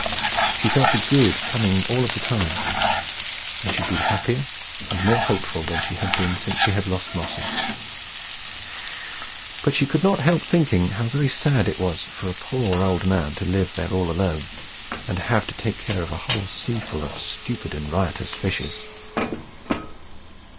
She felt the good coming all the time. And she grew happier and more hopeful than she had been since she lost Mossy. But she could not help thinking how very sad it was for a poor old man to live there all alone, and have to take care of a whole seaful of stupid and riotous fishes.